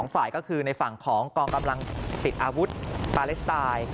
ฝ่ายก็คือในฝั่งของกองกำลังติดอาวุธปาเลสไตล์